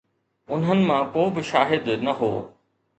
انهن مان ڪو به شاهد نه هو.